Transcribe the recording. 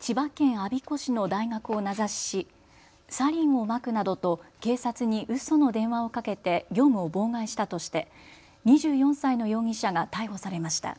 千葉県我孫子市の大学を名指ししサリンをまくなどと警察にうその電話をかけて業務を妨害したとして２４歳の容疑者が逮捕されました。